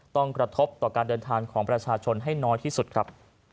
กระทบต่อการเดินทางของประชาชนให้น้อยที่สุดครับ